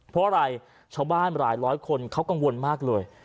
เพราะอะไรชาวบ้านหลายร้อยคนเขากังวลมากเลย